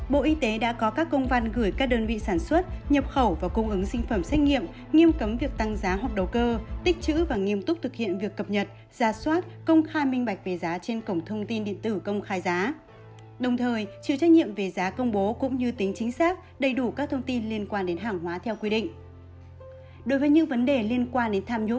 bộ y tế đã có các công văn gửi các đơn vị sản xuất nhập khẩu và cung ứng sinh phẩm xét nghiệm nghiêm cấm việc tăng giá hoặc đầu cơ tích chữ và nghiêm túc thực hiện việc cập nhật giả soát công khai minh bạch về giá trên cổng thông tin điện tử công khai giá đồng thời chịu trách nhiệm về giá công bố cũng như tính chính xác đầy đủ các thông tin liên quan đến hàng hóa theo quy định